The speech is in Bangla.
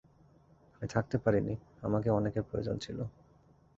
আমি থাকতে পারিনি, আমাকে অনেকের প্রয়োজন ছিল।